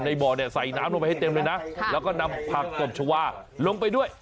บ่อเนี่ยใส่น้ำลงไปให้เต็มเลยนะแล้วก็นำผักตบชาวาลงไปด้วย